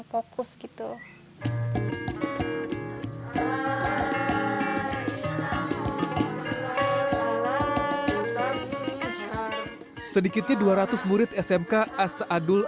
juga terus masuk kalau di online kayak kurang fokus gitu hai sedikitnya dua ratus murid smk asadul